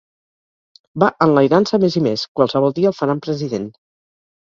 Va enlairant-se més i més: qualsevol dia el faran president.